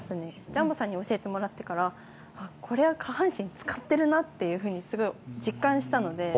ジャンボさんに教えてもらってから、あっ、これは下半身使っているなっていうふうに、すごい実感したので。